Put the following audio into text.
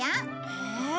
へえ。